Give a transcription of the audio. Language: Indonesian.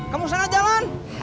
kamu sana jalan